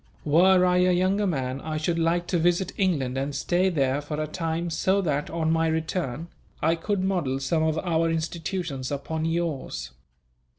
Were I a younger man, I should like to visit England and stay there for a time so that, on my return, I could model some of our institutions upon yours.